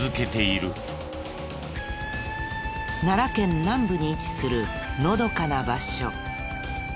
奈良県南部に位置するのどかな場所。